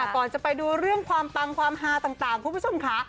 ก่อนจะไปดูเรื่องความปังความฮาต่างคุณผู้ชมค่ะ